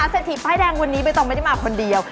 เศรษฐีป้ายแดงวันนี้ใบตองไม่ได้มาคนเดียว